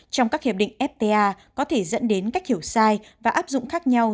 trong các hiệp định fta có thể dẫn đến cách hiểu sai và áp dụng khác nhau